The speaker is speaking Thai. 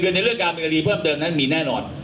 คือในเรื่องการเป็นคดีเพิ่มเติมนั้นมีแน่นอน